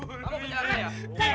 kamu kejadian ya